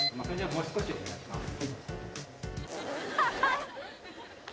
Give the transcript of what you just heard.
もう少しお願いします。